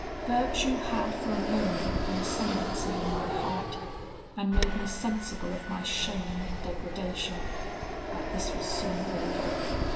Virtue had for a moment the ascendancy in my heart, and made me sensible of my shame and degradation. But this was soon over.